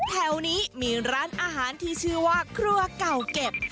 แถวนี้มีร้านอาหารที่ชื่อว่าครัวเก่าเก็บ